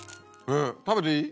食べていい？